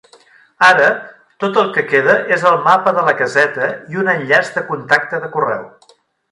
Ara, tot el que queda és el "mapa de la caseta" i un enllaç de contacte de correu.